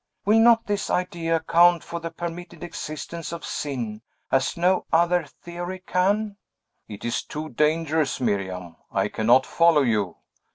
Will not this idea account for the permitted existence of sin, as no other theory can?" "It is too dangerous, Miriam! I cannot follow you!"